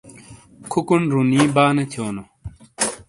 کھوکونڈ رُونی بانے تھیونو۔